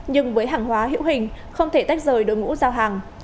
nhưng với hàng hóa hữu hình không thể tách rời đội ngũ giao hàng